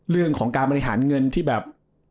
เรื่องของการบริหารเงินที่แบบ